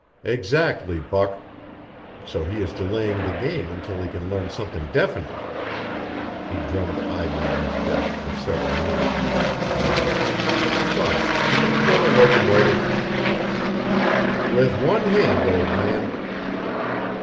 "Exactly, Buck. So he is delaying the game until he can learn something definite." He drummed idly on his desk for several minutes. Then: "Buck, can you run a locomotive?" "With one hand, old man."